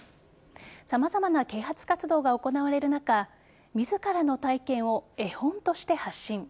さまざまな啓発活動が行われる中自らの体験を絵本として発信。